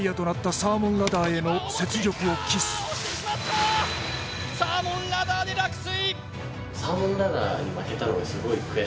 サーモンラダーで落水！